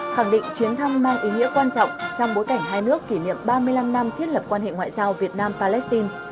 khẳng định chuyến thăm mang ý nghĩa quan trọng trong bối cảnh hai nước kỷ niệm ba mươi năm năm thiết lập quan hệ ngoại giao việt nam palestine